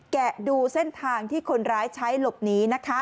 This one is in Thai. แกะดูเส้นทางที่คนร้ายใช้หลบหนีนะคะ